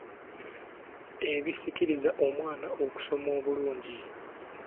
Ebisikiriza omwana okusoma obulungi.